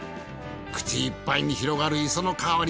口いっぱいに広がる磯の香り